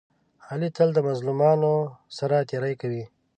علي تل د مظلومانو سره تېری کوي.